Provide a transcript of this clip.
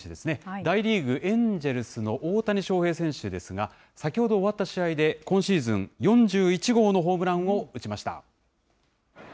大リーグ・エンジェルスの大谷翔平選手ですが、先ほど終わった試合で、今シーズン４１号のホームランを打ちました。